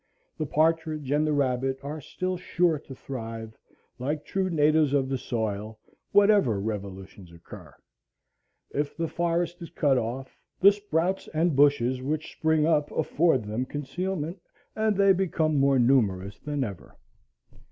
The partridge and the rabbit are still sure to thrive, like true natives of the soil, whatever revolutions occur. If the forest is cut off, the sprouts and bushes which spring up afford them concealment, and they become more numerous than ever.